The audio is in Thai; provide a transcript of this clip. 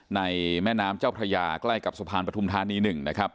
ในแม่น้ำเจ้าพระยาใกล้กับสะพานปฐุมธานี๑นะครับ